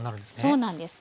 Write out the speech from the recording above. そうなんですはい。